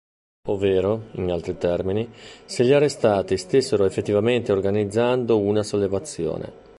Ovvero, in altri termini, se gli arrestati stessero effettivamente organizzando una sollevazione.